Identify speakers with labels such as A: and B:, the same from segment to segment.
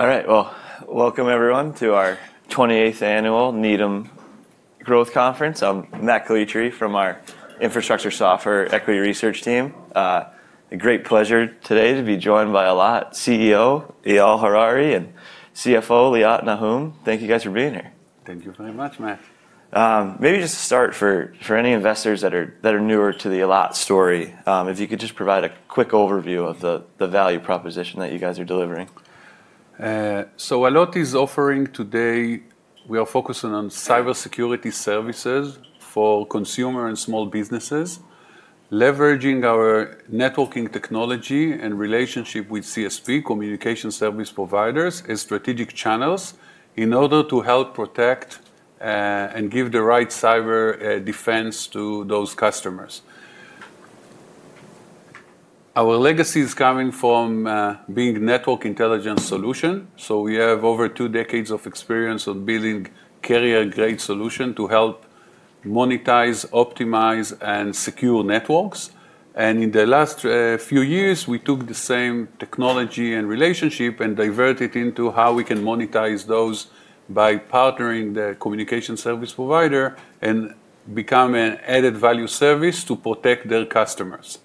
A: All right, well, welcome everyone to our 28th annual Needham Growth Conference. I'm Matt Calitri from our Infrastructure Software Equity Research team. A great pleasure today to be joined by Allot CEO, Eyal Harari, and CFO, Liat Nahum. Thank you guys for being here.
B: Thank you very much, Matt.
A: Maybe just to start, for any investors that are newer to the Allot story, if you could just provide a quick overview of the value proposition that you guys are delivering?
B: So, Allot is offering today. We are focusing on cybersecurity services for consumer and small businesses, leveraging our networking technology and relationship with CSP, communication service providers, as strategic channels in order to help protect and give the right cyber defense to those customers. Our legacy is coming from being a network intelligence solution. So, we have over two decades of experience on building carrier-grade solutions to help monetize, optimize, and secure networks. And in the last few years, we took the same technology and relationship and diverted it into how we can monetize those by partnering with the communication service provider and become an added value service to protect their customers.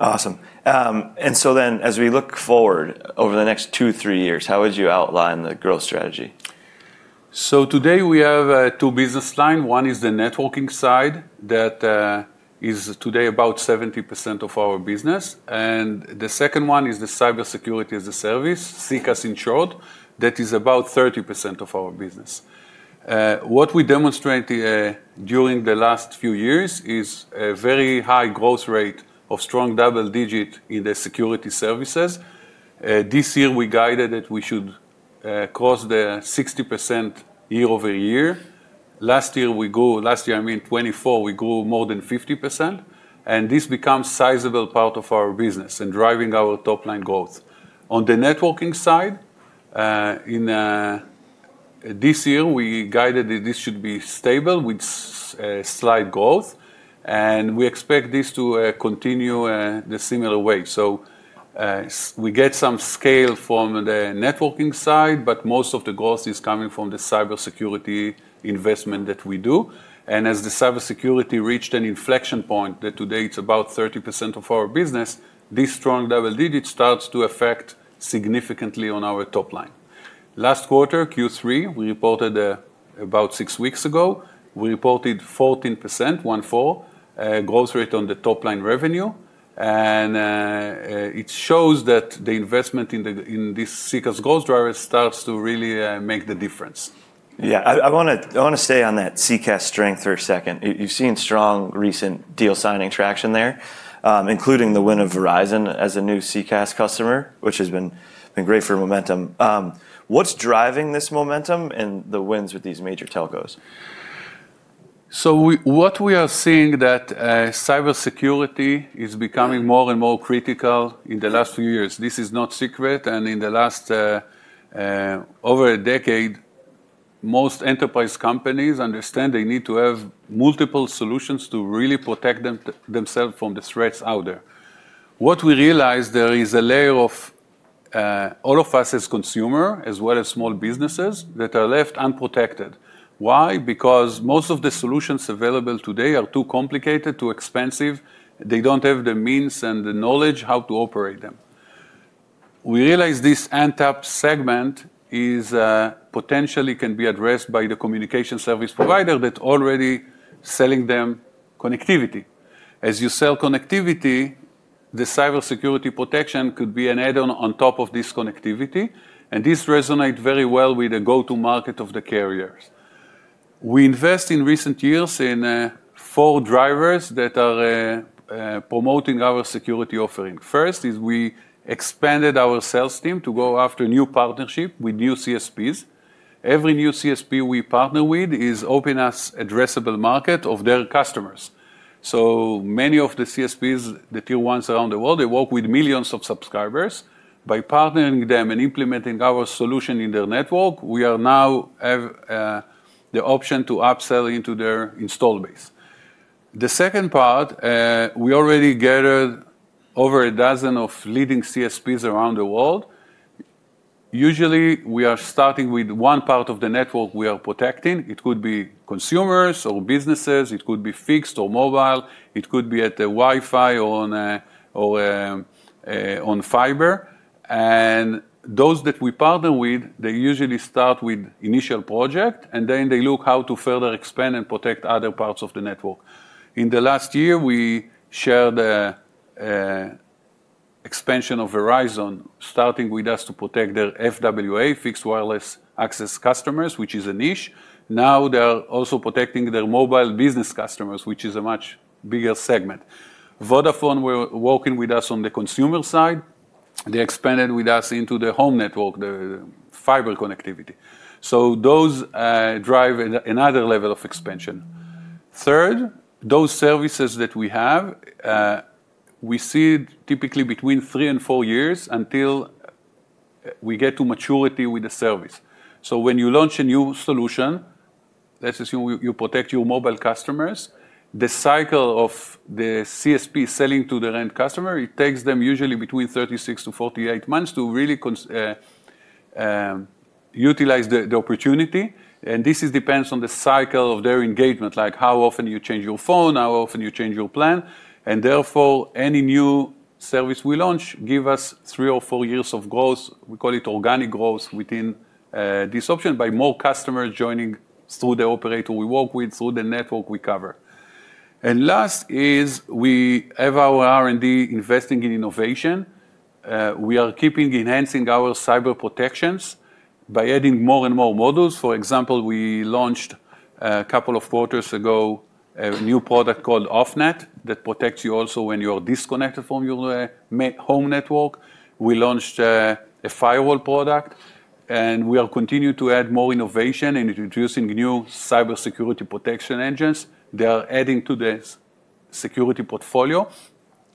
A: Awesome. And so then, as we look forward over the next two, three years, how would you outline the growth strategy?
B: So today we have two business lines. One is the networking side that is today about 70% of our business. And the second one is the cybersecurity as a service, SECaaS in short, that is about 30% of our business. What we demonstrated during the last few years is a very high growth rate of strong double digits in the security services. This year we guided that we should cross the 60% year-over-year. Last year we grew, last year I mean 2024, we grew more than 50%. And this becomes a sizable part of our business and driving our top-line growth. On the networking side, this year we guided that this should be stable with slight growth. And we expect this to continue in a similar way. So we get some scale from the networking side, but most of the growth is coming from the cybersecurity investment that we do. And as the cybersecurity reached an inflection point that today it's about 30% of our business, this strong double digit starts to affect significantly on our top line. Last quarter, Q3, we reported about six weeks ago, we reported 14%, 14% growth rate on the top-line revenue. And it shows that the investment in this CCaaS growth driver starts to really make the difference.
A: Yeah. I want to stay on that CCaaS strength for a second. You've seen strong recent deal signing traction there, including the win of Verizon as a new CCaaS customer, which has been great for momentum. What's driving this momentum and the wins with these major telcos?
B: What we are seeing is that cybersecurity is becoming more and more critical in the last few years. This is not secret. Over the last over a decade, most enterprise companies understand they need to have multiple solutions to really protect themselves from the threats out there. What we realized is there is a layer of all of us as consumers, as well as small businesses, that are left unprotected. Why? Because most of the solutions available today are too complicated, too expensive. They don't have the means and the knowledge how to operate them. We realize this end-user segment potentially can be addressed by the communication service provider that's already selling them connectivity. As you sell connectivity, the cybersecurity protection could be an add-on on top of this connectivity. And this resonates very well with the go-to-market of the carriers. We invested in recent years in four drivers that are promoting our security offering. First is we expanded our sales team to go after new partnerships with new CSPs. Every new CSP we partner with is opening us an addressable market of their customers. So many of the CSPs, the tier ones around the world, they work with millions of subscribers. By partnering them and implementing our solution in their network, we now have the option to upsell into their install base. The second part, we already gathered over a dozen leading CSPs around the world. Usually, we are starting with one part of the network we are protecting. It could be consumers or businesses. It could be fixed or mobile. It could be at the Wi-Fi or on fiber. Those that we partner with, they usually start with an initial project, and then they look at how to further expand and protect other parts of the network. In the last year, we shared the expansion of Verizon, starting with us to protect their FWA, fixed wireless access customers, which is a niche. Now they're also protecting their mobile business customers, which is a much bigger segment. Vodafone was working with us on the consumer side. They expanded with us into the home network, the fiber connectivity. Those drive another level of expansion. Third, those services that we have, we see typically between three and four years until we get to maturity with the service. So when you launch a new solution, let's assume you protect your mobile customers, the cycle of the CSP selling to the end customer, it takes them usually between 36 to 48 months to really utilize the opportunity. And this depends on the cycle of their engagement, like how often you change your phone, how often you change your plan. And therefore, any new service we launch gives us three or four years of growth. We call it organic growth within this option by more customers joining through the operator we work with, through the network we cover. And last is we have our R&D investing in innovation. We are keeping enhancing our cyber protections by adding more and more models. For example, we launched a couple of quarters ago a new product called OffNet that protects you also when you are disconnected from your home network. We launched a firewall product, and we are continuing to add more innovation and introducing new cybersecurity protection engines. They are adding to the security portfolio,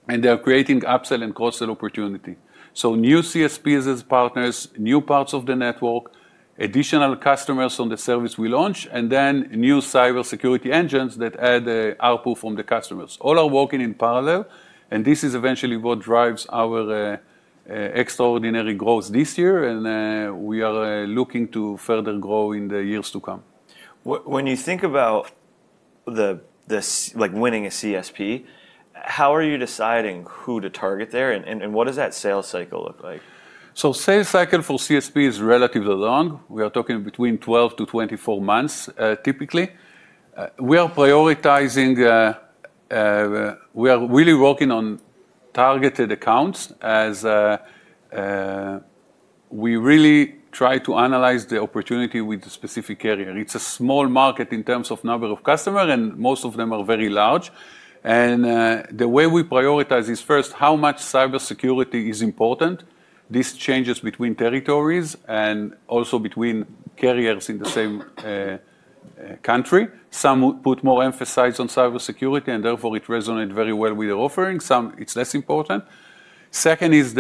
B: and they are creating upsell and cross-sell opportunity, so new CSPs as partners, new parts of the network, additional customers on the service we launch, and then new cybersecurity engines that add the output from the customers. All are working in parallel, and this is eventually what drives our extraordinary growth this year, and we are looking to further grow in the years to come.
A: When you think about winning a CSP, how are you deciding who to target there? And what does that sales cycle look like?
B: So the sales cycle for CSPs is relatively long. We are talking between 12-24 months typically. We are prioritizing. We are really working on targeted accounts as we really try to analyze the opportunity with the specific carrier. It's a small market in terms of number of customers, and most of them are very large and the way we prioritize is first how much cybersecurity is important. This changes between territories and also between carriers in the same country. Some put more emphasis on cybersecurity, and therefore it resonates very well with their offering. Some, it's less important. Second is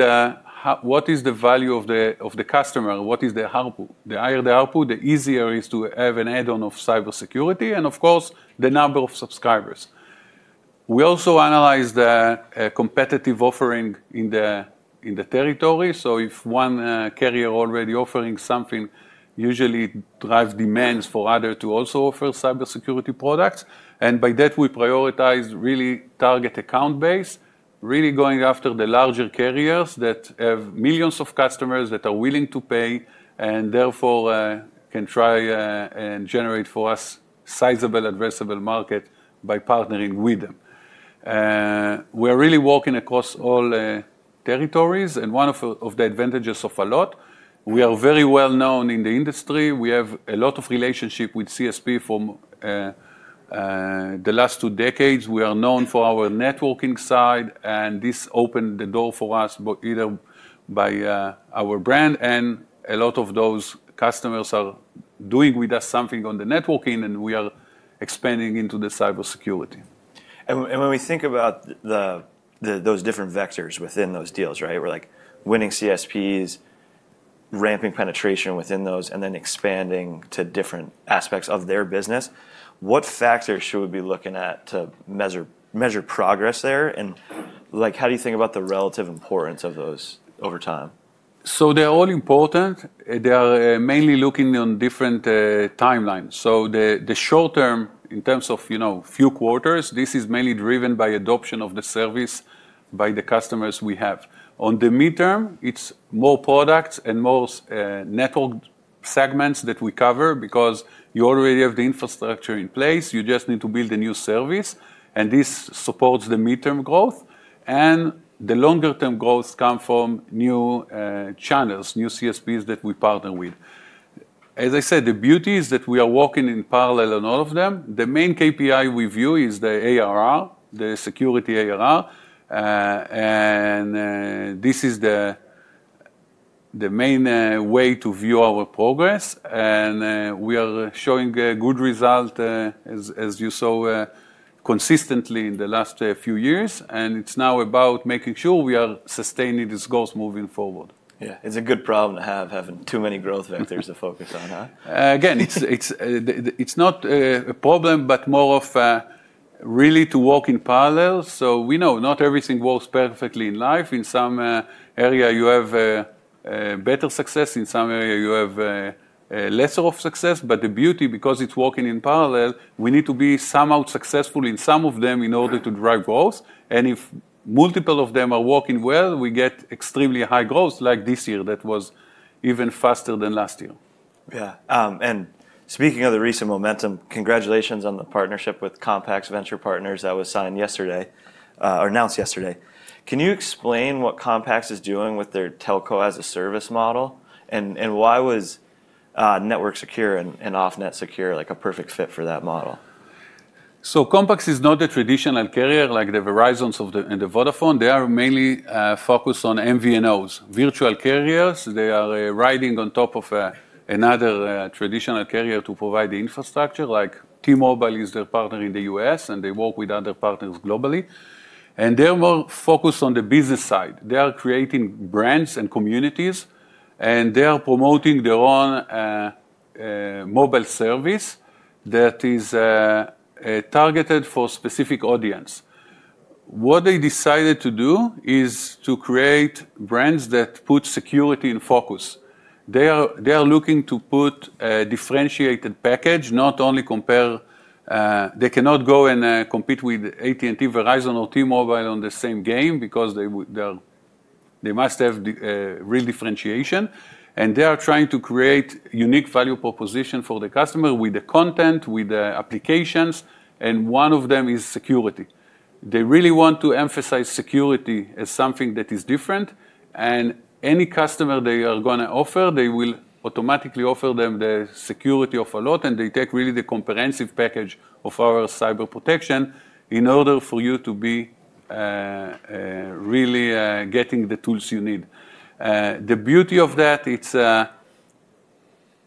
B: what is the value of the customer? What is the output? The higher the output, the easier it is to have an add-on of cybersecurity, and of course, the number of subscribers. We also analyze the competitive offering in the territory. So if one carrier is already offering something, usually it drives demands for others to also offer cybersecurity products. And by that, we prioritize really target account base, really going after the larger carriers that have millions of customers that are willing to pay and therefore can try and generate for us a sizable addressable market by partnering with them. We are really working across all territories. And one of the advantages of Allot, we are very well known in the industry. We have a lot of relationships with CSPs for the last two decades, we are known for our networking side and this opened the door for us either by our brand and a lot of those customers are doing with us something on the networking, and we are expanding into the cybersecurity.
A: And when we think about those different vectors within those deals, right, we're like winning CSPs, ramping penetration within those, and then expanding to different aspects of their business, what factors should we be looking at to measure progress there? And how do you think about the relative importance of those over time?
B: So they're all important. They are mainly looking on different timelines. So the short term, in terms of a few quarters, this is mainly driven by the adoption of the service by the customers we have. On the midterm, it's more products and more network segments that we cover because you already have the infrastructure in place. You just need to build a new service. And this supports the midterm growth. And the longer-term growth comes from new channels, new CSPs that we partner with. As I said, the beauty is that we are working in parallel on all of them. The main KPI we view is the ARR, the security ARR. And this is the main way to view our progress. And we are showing good results, as you saw, consistently in the last few years. And it's now about making sure we are sustaining these goals moving forward.
A: Yeah. It's a good problem to have having too many growth vectors to focus on, huh?
B: Again, it's not a problem, but more really to work in parallel, so we know not everything works perfectly in life. In some areas, you have better success. In some areas, you have lesser success, but the beauty, because it's working in parallel, we need to be somehow successful in some of them in order to drive growth, and if multiple of them are working well, we get extremely high growth, like this year that was even faster than last year.
A: Yeah. And speaking of the recent momentum, congratulations on the partnership with Compax Ventures that was signed yesterday or announced yesterday. Can you explain what Compax is doing with their telco as a service model? And why was DNSecure and OffNetSecure like a perfect fit for that model?
B: So Compax is not a traditional carrier like the Verizons and the Vodafone. They are mainly focused on MVNOs, virtual carriers. They are riding on top of another traditional carrier to provide the infrastructure. Like T-Mobile is their partner in the U.S., and they work with other partners globally. And they're more focused on the business side. They are creating brands and communities. And they are promoting their own mobile service that is targeted for a specific audience. What they decided to do is to create brands that put security in focus. They are looking to put a differentiated package, not only compare they cannot go and compete with AT&T, Verizon, or T-Mobile on the same game because they must have real differentiation. And they are trying to create a unique value proposition for the customer with the content, with the applications, and one of them is security. They really want to emphasize security as something that is different, and any customer they are going to offer, they will automatically offer them the security of Allot, and they take really the comprehensive package of our cyber protection in order for you to be really getting the tools you need. The beauty of that, it's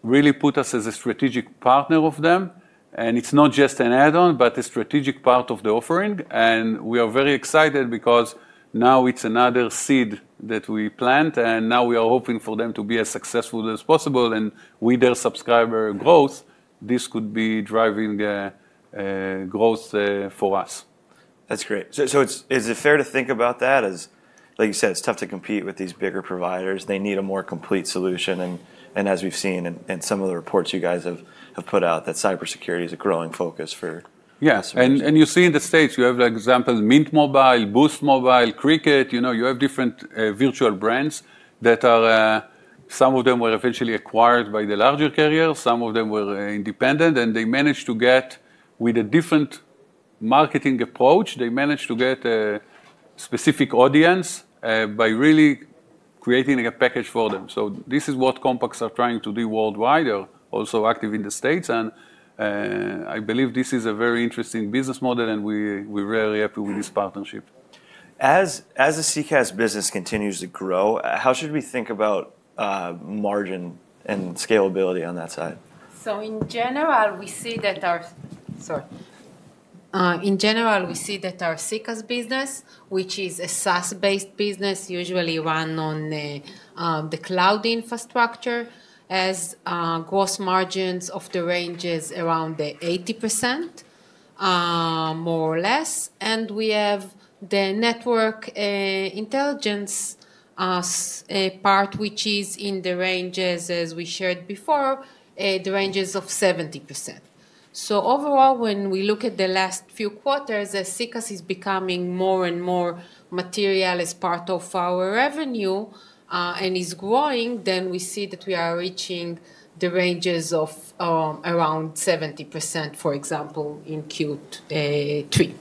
B: really put us as a strategic partner of them, and it's not just an add-on, but a strategic part of the offering, and we are very excited because now it's another seed that we plant, and now we are hoping for them to be as successful as possible, and with their subscriber growth, this could be driving growth for us.
A: That's great. So is it fair to think about that as, like you said, it's tough to compete with these bigger providers? They need a more complete solution. And as we've seen in some of the reports you guys have put out, that cybersecurity is a growing focus for.
B: Yes. And you see in the States, you have, for example, Mint Mobile, Boost Mobile, Cricket. You have different virtual brands that some of them were eventually acquired by the larger carriers. Some of them were independent. And they managed to get, with a different marketing approach, they managed to get a specific audience by really creating a package for them. So this is what Compax is trying to do worldwide. They're also active in the States and I believe this is a very interesting business model and we're very happy with this partnership.
A: As the CCaaS business continues to grow, how should we think about margin and scalability on that side?
C: In general, we see that our CCaaS business, which is a SaaS-based business, usually run on the cloud infrastructure, has gross margins of the ranges around 80%, more or less. We have the network intelligence part, which is in the ranges, as we shared before, of 70%. Overall, when we look at the last few quarters, as CCaaS is becoming more and more material as part of our revenue and is growing, then we see that we are reaching the ranges of around 70%, for example, in Q3.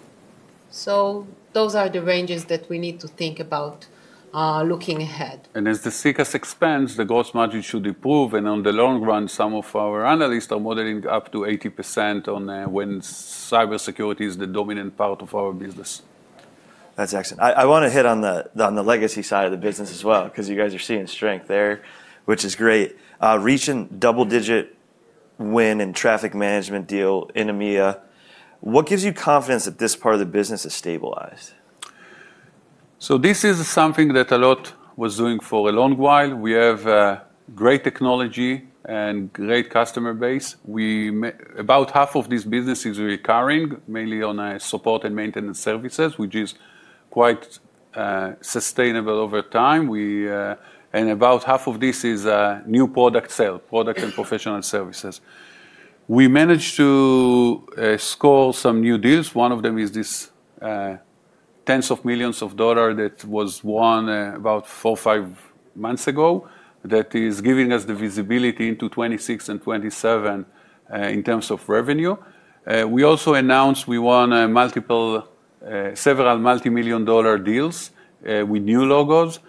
C: Those are the ranges that we need to think about looking ahead.
B: And as the CCAS expands, the gross margin should improve. And in the long run, some of our analysts are modeling up to 80% when cybersecurity is the dominant part of our business.
A: That's excellent. I want to hit on the legacy side of the business as well because you guys are seeing strength there, which is great. Reaching double-digit win in traffic management deal in EMEA, what gives you confidence that this part of the business is stabilized?
B: So this is something that Allot was doing for a long while. We have great technology and a great customer base. About half of these businesses are recurring, mainly on support and maintenance services, which is quite sustainable over time. And about half of this is new product sales, product and professional services. We managed to score some new deals. One of them is this tens of millions of dollars that was won about four or five months ago that is giving us the visibility into 2026 and 2027 in terms of revenue. We also announced we won several multi-million-dollar deals with new logos.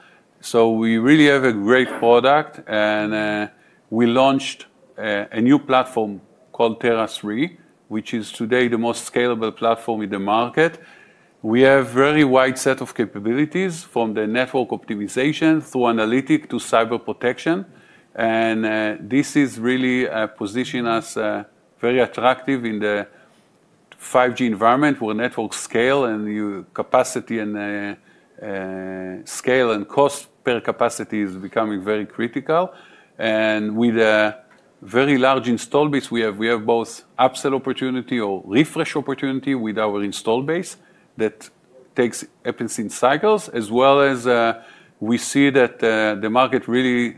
B: So we really have a great product. And we launched a new platform called Tera III, which is today the most scalable platform in the market. We have a very wide set of capabilities from the network optimization through analytics to cyber protection. This is really positioning us very attractive in the 5G environment where network scale and capacity and scale and cost per capacity is becoming very critical. With a very large install base, we have both upsell opportunity or refresh opportunity with our install base that takes happens in cycles. As well as we see that the market really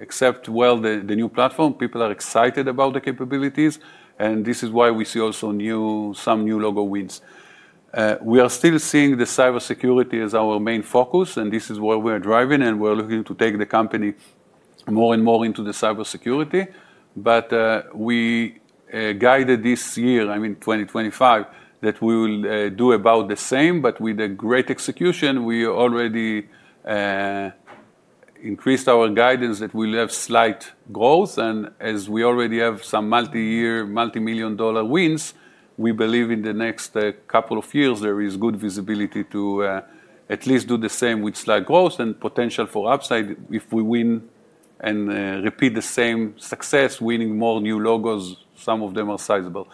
B: accepts well the new platform. People are excited about the capabilities. This is why we see also some new logo wins. We are still seeing the cybersecurity as our main focus. This is where we are driving. We're looking to take the company more and more into the cybersecurity. We guided this year, I mean, 2025, that we will do about the same, but with a great execution. We already increased our guidance that we will have slight growth. And as we already have some multi-year, multi-million-dollar wins, we believe in the next couple of years there is good visibility to at least do the same with slight growth and potential for upside. If we win and repeat the same success, winning more new logos, some of them are sizable.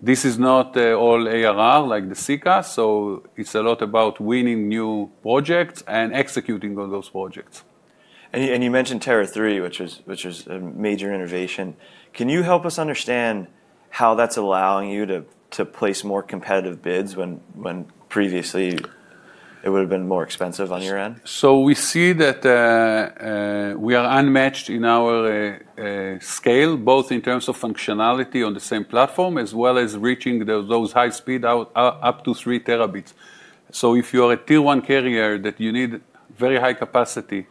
B: This is not all ARR like the CCaaS. So it's a lot about winning new projects and executing on those projects.
A: You mentioned Tera III, which is a major innovation. Can you help us understand how that's allowing you to place more competitive bids when previously it would have been more expensive on your end?
B: So we see that we are unmatched in our scale, both in terms of functionality on the same platform as well as reaching those high speeds up to 3 Tbs. So if you are a tier one carrier that you need very high capacity,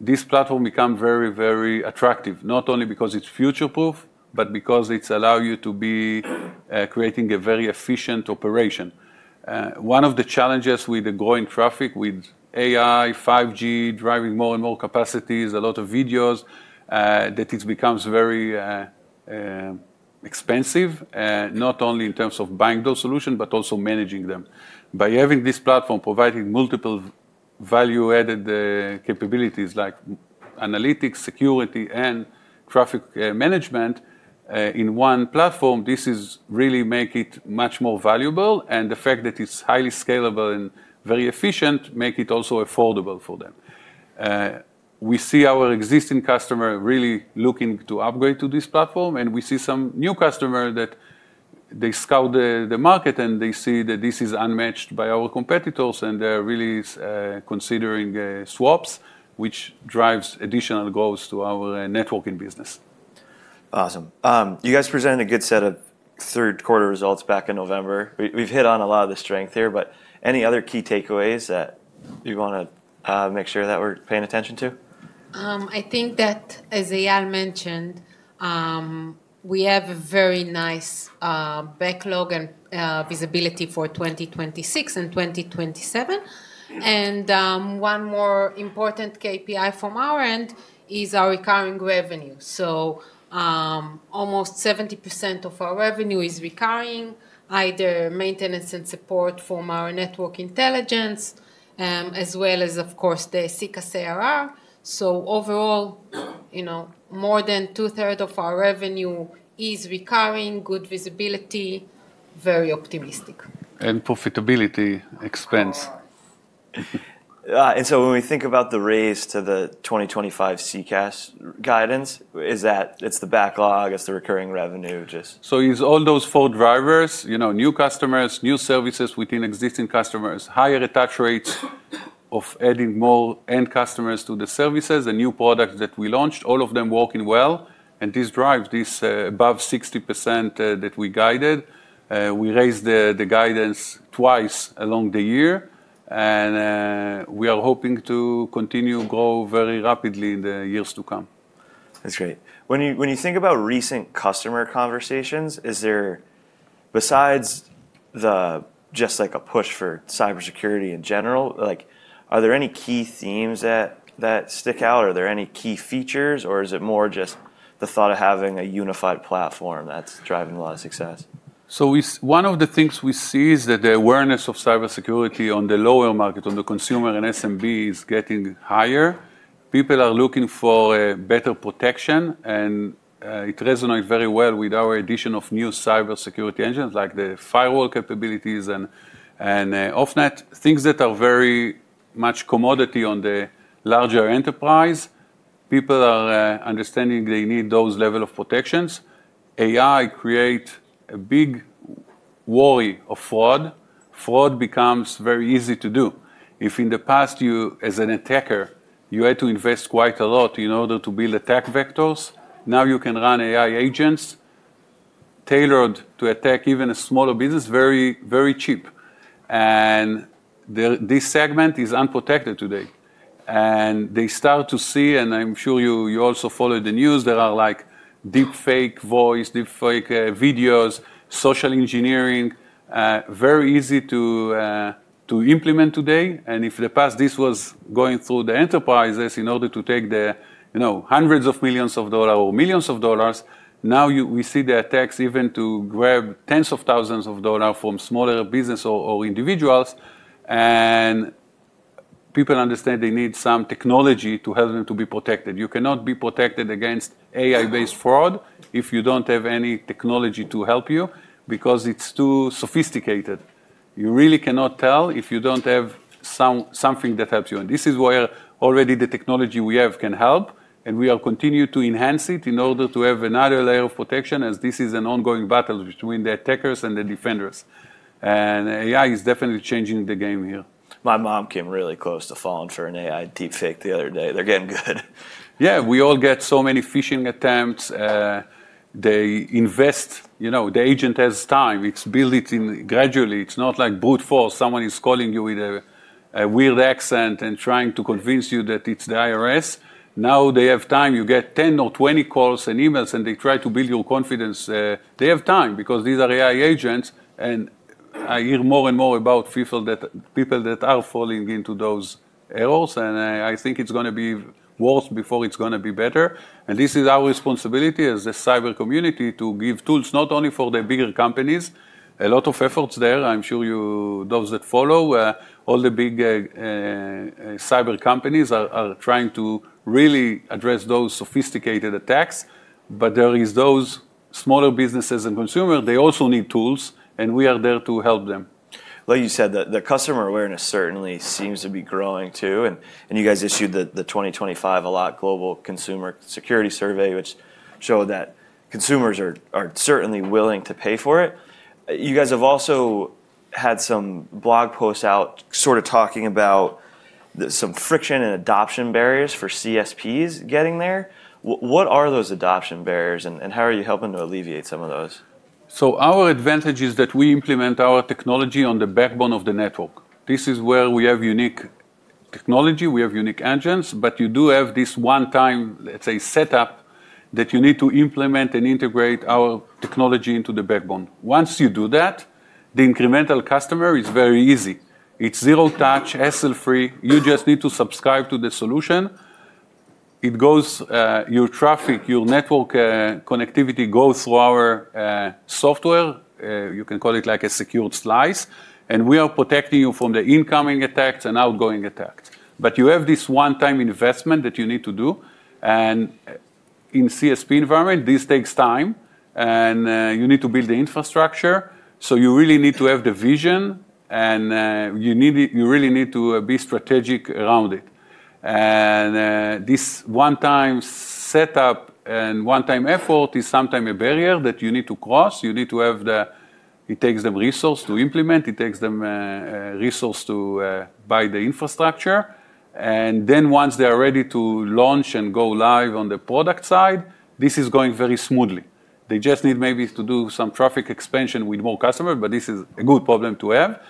B: this platform becomes very, very attractive, not only because it's future-proof, but because it allows you to be creating a very efficient operation. One of the challenges with the growing traffic with AI, 5G, driving more and more capacities, a lot of videos, that it becomes very expensive, not only in terms of buying those solutions, but also managing them. By having this platform providing multiple value-added capabilities like analytics, security, and traffic management in one platform, this is really making it much more valuable. And the fact that it's highly scalable and very efficient makes it also affordable for them. We see our existing customers really looking to upgrade to this platform, and we see some new customers that they scout the market, and they see that this is unmatched by our competitors, and they're really considering swaps, which drives additional growth to our networking business.
A: Awesome. You guys presented a good set of third-quarter results back in November. We've hit on a lot of the strength here. But any other key takeaways that you want to make sure that we're paying attention to?
C: I think that, as Eyal mentioned, we have a very nice backlog and visibility for 2026 and 2027. And one more important KPI from our end is our recurring revenue. So almost 70% of our revenue is recurring, either maintenance and support from our network intelligence, as well as, of course, the CCaaS ARR. So overall, more than 2/3 of our revenue is recurring, good visibility, very optimistic.
B: Profitability expense.
A: And so when we think about the raise to the 2025 CCaaS guidance, is that it's the backlog, it's the recurring revenue, just?
B: It's all those four drivers, new customers, new services within existing customers, higher attach rates of adding more end customers to the services, and new products that we launched, all of them working well. And this drives this above 60% that we guided. We raised the guidance twice along the year. And we are hoping to continue to grow very rapidly in the years to come.
A: That's great. When you think about recent customer conversations, is there, besides just like a push for cybersecurity in general, are there any key themes that stick out? Are there any key features? Or is it more just the thought of having a unified platform that's driving a lot of success?
B: One of the things we see is that the awareness of cybersecurity on the lower market, on the consumer and SMB, is getting higher. People are looking for better protection. And it resonates very well with our addition of new cybersecurity engines, like the firewall capabilities and OffNet, things that are very much commodity on the larger enterprise. People are understanding they need those levels of protections. AI creates a big worry of fraud. Fraud becomes very easy to do. If in the past, as an attacker, you had to invest quite a lot in order to build attack vectors, now you can run AI agents tailored to attack even a smaller business very, very cheap. And this segment is unprotected today. And they start to see, and I'm sure you also follow the news, there are Deepfake voice, Deepfake videos, social engineering, very easy to implement today. And if in the past this was going through the enterprises in order to take the hundreds of millions of dollars or millions of dollars, now we see the attacks even to grab tens of thousands of dollars from smaller businesses or individuals. And people understand they need some technology to help them to be protected. You cannot be protected against AI-based fraud if you don't have any technology to help you because it's too sophisticated. You really cannot tell if you don't have something that helps you. And this is where already the technology we have can help. And we are continuing to enhance it in order to have another layer of protection, as this is an ongoing battle between the attackers and the defenders. And AI is definitely changing the game here.
A: My mom came really close to falling for an AI Deepfake the other day. They're getting good.
B: Yeah. We all get so many phishing attempts. They invest, the agent has time. It's built gradually. It's not like brute force. Someone is calling you with a weird accent and trying to convince you that it's the IRS. Now they have time. You get 10 or 20 calls and emails, and they try to build your confidence. They have time because these are AI agents. And I hear more and more about people that are falling into those errors. And I think it's going to be worse before it's going to be better. And this is our responsibility as a cyber community to give tools not only for the bigger companies. A lot of efforts there, I'm sure those that follow, all the big cyber companies, are trying to really address those sophisticated attacks. But there are those smaller businesses and consumers they also need tools and we are there to help them.
A: Like you said, the customer awareness certainly seems to be growing, too. And you guys issued the 2025 Allot Global Consumer Security Survey, which showed that consumers are certainly willing to pay for it. You guys have also had some blog posts out sort of talking about some friction and adoption barriers for CSPs getting there. What are those adoption barriers? And how are you helping to alleviate some of those?
B: So our advantage is that we implement our technology on the backbone of the network. This is where we have unique technology. We have unique engines. But you do have this one-time, let's say, setup that you need to implement and integrate our technology into the backbone. Once you do that, the incremental customer is very easy. It's zero touch, hassle-free. You just need to subscribe to the solution. Your traffic, your network connectivity goes through our software. You can call it like a secure slice. And we are protecting you from the incoming attacks and outgoing attacks. But you have this one-time investment that you need to do. And in a CSP environment, this takes time, and you need to build the infrastructure. So you really need to have the vision. And you really need to be strategic around it. And this one-time setup and one-time effort is sometimes a barrier that you need to cross. It takes them resources to implement. It takes them resources to buy the infrastructure. And then once they are ready to launch and go live on the product side, this is going very smoothly. They just need maybe to do some traffic expansion with more customers. But this is a good problem to have.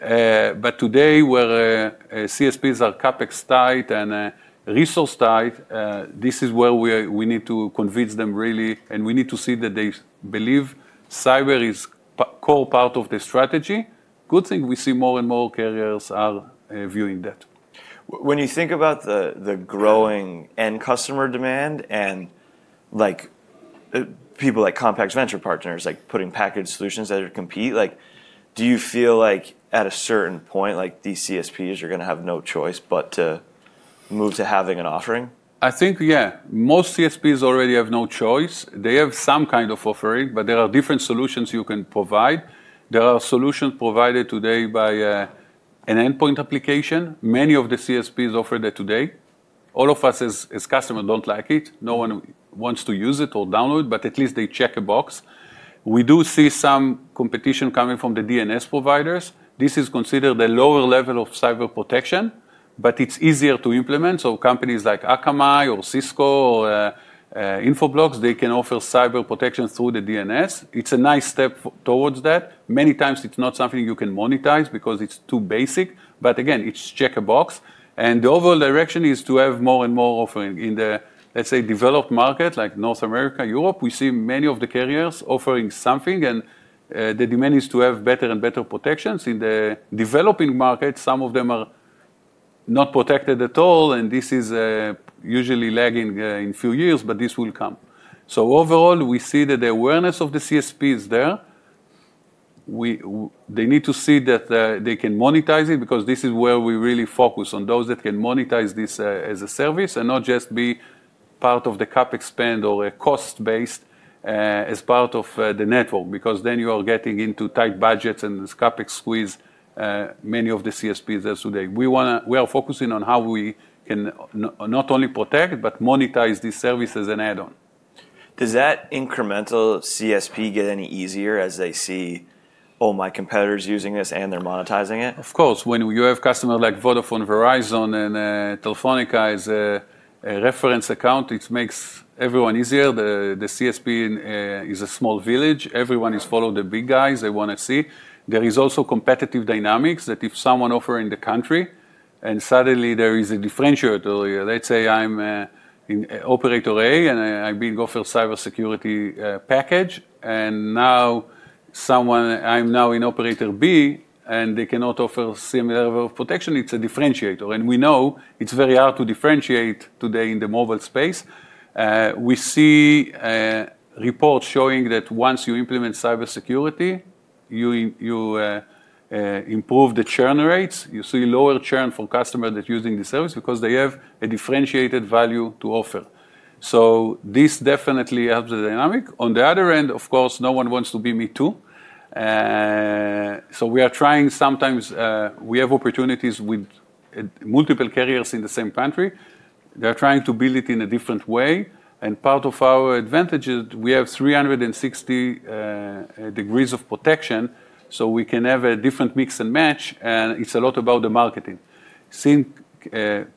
B: But today, where CSPs are CapEx-tight and resource-tight, this is where we need to convince them really. And we need to see that they believe cyber is a core part of the strategy. Good thing we see more and more carriers are viewing that.
A: When you think about the growing end customer demand and people like Compax Venture Partners, like putting packaged solutions out there to compete, do you feel like at a certain point, like these CSPs, you're going to have no choice but to move to having an offering?
B: I think, yeah. Most CSPs already have no choice. They have some kind of offering, but there are different solutions you can provide. There are solutions provided today by an endpoint application. Many of the CSPs offer that today. All of us as customers don't like it. No one wants to use it or download it, but at least they check a box. We do see some competition coming from the DNS providers. This is considered the lower level of cyber protection, but it's easier to implement, so companies like Akamai or Cisco or Infoblox, they can offer cyber protection through the DNS. It's a nice step towards that. Many times, it's not something you can monetize because it's too basic, but again, it's check a box, and the overall direction is to have more and more offering in the, let's say, developed market, like North America, Europe. We see many of the carriers offering something, and the demand is to have better and better protections. In the developing markets, some of them are not protected at all, and this is usually lagging in a few years, but this will come, so overall, we see that the awareness of the CSPs is there. They need to see that they can monetize it because this is where we really focus on those that can monetize this as a service and not just be part of the CapEx spend or cost-based as part of the network. Because then you are getting into tight budgets and this CapEx squeeze many of the CSPs elsewhere. We are focusing on how we can not only protect but monetize these services and add on.
A: Does that incremental CSP get any easier as they see, oh, my competitor's using this and they're monetizing it?
B: Of course. When you have customers like Vodafone, Verizon, and Telefónica as a reference account, it makes everyone easier. The CSP is a small village. Everyone is following the big guys they want to see. There is also competitive dynamics that if someone offers in the country and suddenly there is a differentiator, let's say I'm in Operator A and I'm being offered a cybersecurity package and now I'm in Operator B and they cannot offer a similar level of protection. It's a differentiator, and we know it's very hard to differentiate today in the mobile space. We see reports showing that once you implement cybersecurity, you improve the churn rates. You see lower churn for customers that are using the service because they have a differentiated value to offer, so this definitely helps the dynamic. On the other end, of course, no one wants to be me too. So, we are trying. Sometimes we have opportunities with multiple carriers in the same country. They're trying to build it in a different way. And part of our advantage is we have 360 degrees of protection. So we can have a different mix and match, and it's a lot about the marketing. Seeing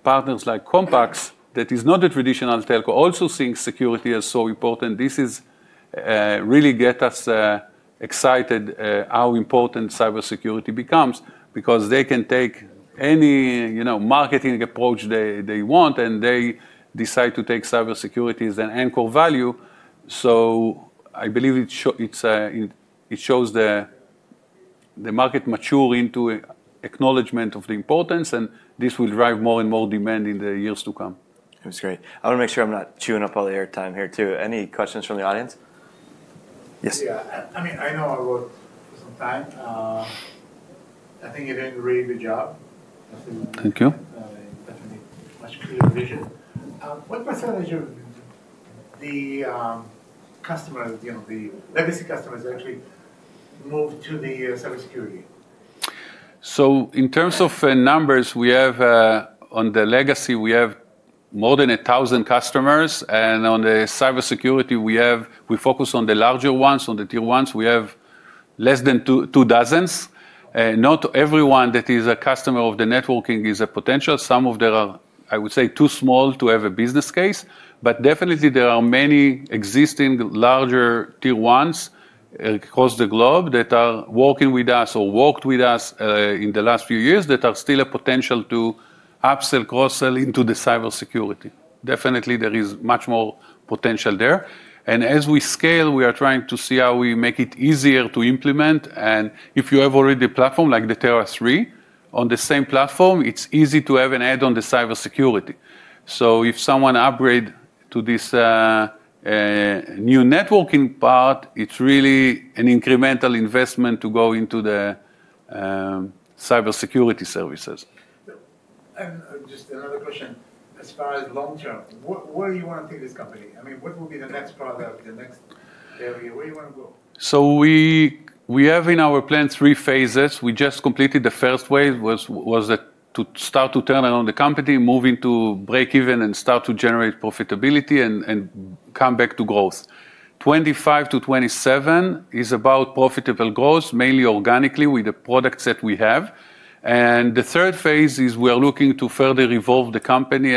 B: partners like Compax, that is not a traditional telco, also seeing security as so important, this has really got us excited how important cybersecurity becomes because they can take any marketing approach they want. And they decide to take cybersecurity as an anchor value. So I believe it shows the market maturing to acknowledgment of the importance. And this will drive more and more demand in the years to come.
A: That was great. I want to make sure I'm not chewing up all the airtime here, too. Any questions from the audience? Yeah. I mean, I know I wrote some time. I think you're doing a really good job.
B: Thank you. Definitely much clearer vision. What percentage of the customers, the legacy customers, actually moved to the cybersecurity? So in terms of numbers, we have on the legacy, we have more than 1,000 customers. And on the cybersecurity, we focus on the larger ones, on the tier ones. We have less than two dozens. Not everyone that is a customer of the networking is a potential. Some of them are, I would say, too small to have a business case. But definitely, there are many existing larger tier ones across the globe that are working with us or worked with us in the last few years that are still a potential to upsell, cross-sell into the cybersecurity. Definitely, there is much more potential there. And as we scale, we are trying to see how we make it easier to implement. And if you have already a platform like the Tera III on the same platform, it is easy to have an add-on to cybersecurity. So if someone upgrades to this new networking part, it's really an incremental investment to go into the cybersecurity services. Just another question. As far as long-term, where do you want to take this company? I mean, what will be the next part of the next area? Where do you want to go? We have in our plan three phases. We just completed the first wave, which was to start to turn around the company, move into break-even, and start to generate profitability and come back to growth. 2025-2027 is about profitable growth, mainly organically with the products that we have. The third phase is we are looking to further evolve the company.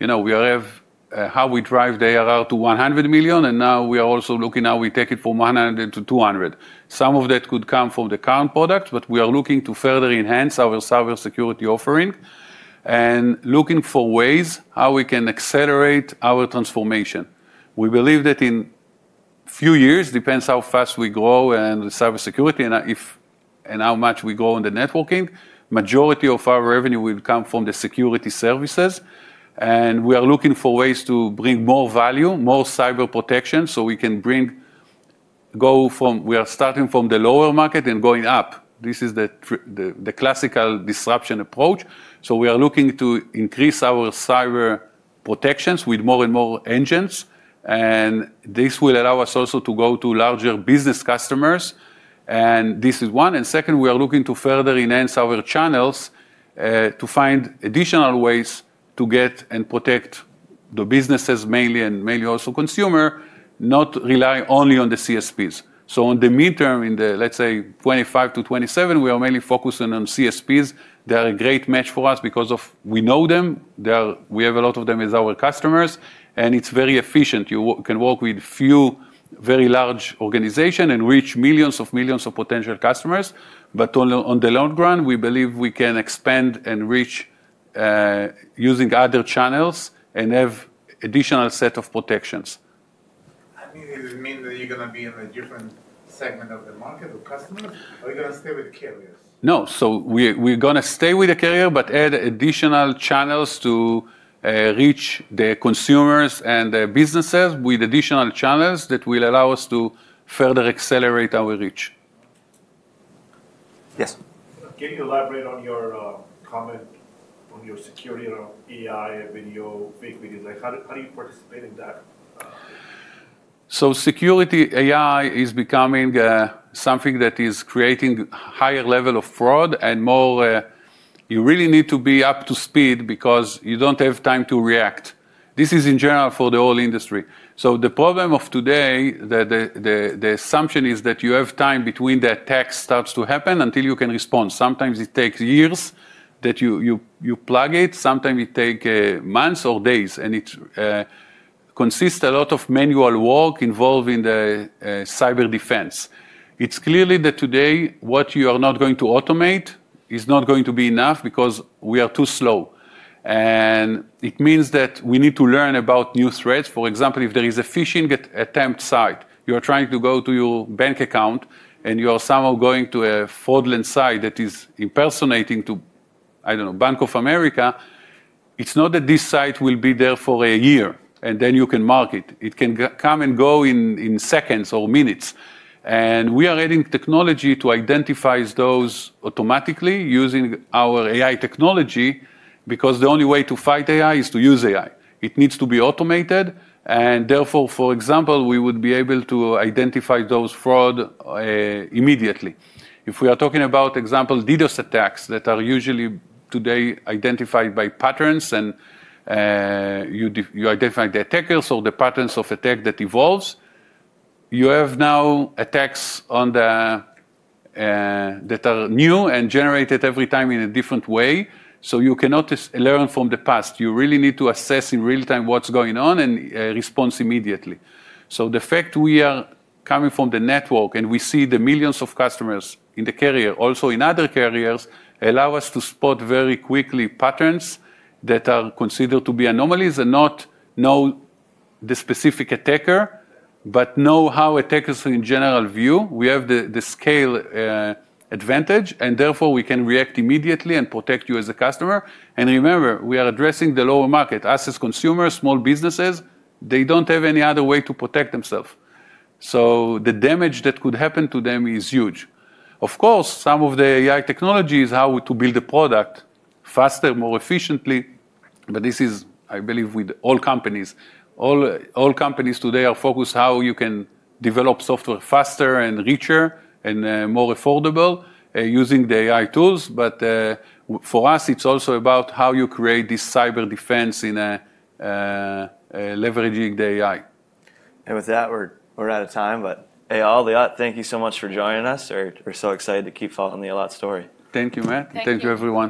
B: We have how we drive the ARR to $100 million. Now we are also looking at how we take it from $100 million to $200 million. Some of that could come from the current product. We are looking to further enhance our cybersecurity offering and looking for ways how we can accelerate our transformation. We believe that in a few years, it depends how fast we grow in cybersecurity and how much we grow in the networking. The majority of our revenue will come from the security services, and we are looking for ways to bring more value, more cyber protection so we can go from we are starting from the lower market and going up. This is the classical disruption approach, so we are looking to increase our cyber protections with more and more engines. And this will allow us also to go to larger business customers, and this is one, and second, we are looking to further enhance our channels to find additional ways to get and protect the businesses, mainly, and mainly also consumers, not rely only on the CSPs. So in the, let's say, 2025 to 2027, we are mainly focusing on CSPs. They are a great match for us because we know them. We have a lot of them as our customers. And it's very efficient. You can work with a few very large organizations and reach millions of millions of potential customers. But on the long run, we believe we can expand and reach using other channels and have an additional set of protections. Does it mean that you're going to be in a different segment of the market or customers or are you going to stay with carriers? No. So we're going to stay with the carrier but add additional channels to reach the consumers and the businesses with additional channels that will allow us to further accelerate our reach. Yes. Can you elaborate on your comment on your security around AI, video, fake videos? How do you participate in that? Security AI is becoming something that is creating a higher level of fraud. You really need to be up to speed because you don't have time to react. This is in general for the whole industry. The problem of today, the assumption is that you have time between the attack starts to happen until you can respond. Sometimes it takes years that you plug it. Sometimes it takes months or days. It consists of a lot of manual work involving the cyber defense. It's clear that today what you are not going to automate is not going to be enough because we are too slow. It means that we need to learn about new threats. For example, if there is a phishing attempt site, you are trying to go to your bank account and you are somehow going to a fraudulent site that is impersonating to, I don't know, Bank of America. It's not that this site will be there for a year, and then you can mark it. It can come and go in seconds or minutes, and we are adding technology to identify those automatically using our AI technology because the only way to fight AI is to use AI. It needs to be automated, and therefore, for example, we would be able to identify those frauds immediately. If we are talking about, for example, DDoS attacks that are usually today identified by patterns, and you identify the attackers or the patterns of attack that evolve. You have now attacks that are new and generated every time in a different way. You cannot learn from the past. You really need to assess in real time what's going on and respond immediately. The fact we are coming from the network and we see the millions of customers in the carrier, also in other carriers, allows us to spot very quickly patterns that are considered to be anomalies and not know the specific attacker but know how attackers in general view. We have the scale advantage. Therefore, we can react immediately and protect you as a customer. Remember, we are addressing the lower market, us as consumers, small businesses. They don't have any other way to protect themselves. The damage that could happen to them is huge. Of course, some of the AI technology is how to build a product faster, more efficiently. This is, I believe, with all companies. All companies today are focused on how you can develop software faster and richer and more affordable using the AI tools. But for us, it's also about how you create this cyber defense in leveraging the AI.
A: With that, we're out of time. Eyal Harari, thank you so much for joining us. We're so excited to keep following the Allot story.
B: Thank you, Matt. Thank you, everyone.